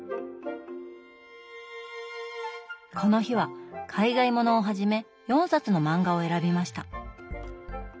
この日は海外物をはじめ４冊の漫画を選びました。